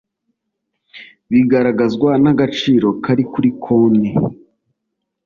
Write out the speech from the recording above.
bigaragazwa n’agaciro kari kuri konti